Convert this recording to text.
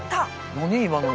何今の？